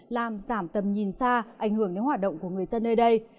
làm giảm tầm nhìn xa ảnh hưởng đến hoạt động của người dân nơi đây